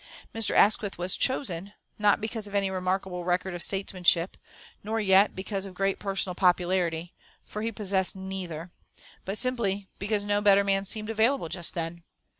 Mr. Asquith was chosen, not because of any remarkable record of statesmanship, nor yet because of great personal popularity for he possessed neither but simply because no better man seemed available just then.